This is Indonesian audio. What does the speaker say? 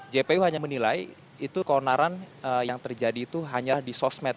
jpu hanya menilai itu keonaran yang terjadi itu hanya di sosmed